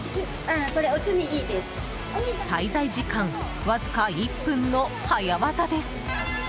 滞在時間わずか１分の早業です。